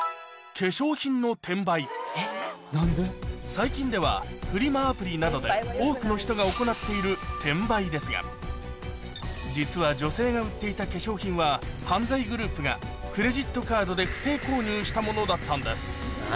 最近はフリマアプリなどで多くの人が行っている実は女性が売っていた化粧品は犯罪グループがクレジットカードで不正購入したものだったんです